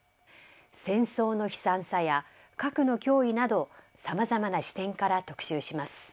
戦争の悲惨さや核の脅威などさまざまな視点から特集します。